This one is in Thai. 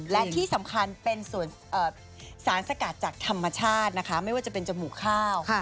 และที่สำคัญเป็นสารสกัดจากธรรมชาตินะคะไม่ว่าจะเป็นจมูกข้าว